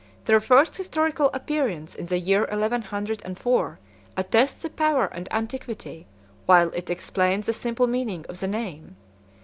Their first historical appearance in the year eleven hundred and four attests the power and antiquity, while it explains the simple meaning, of the name.